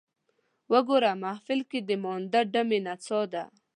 وګوره محفل کې د مانده ډمې نڅا ته